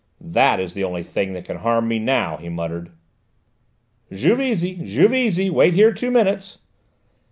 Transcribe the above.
"That is the only thing that can harm me now," he muttered. "Juvisy! Juvisy! Wait here two minutes!"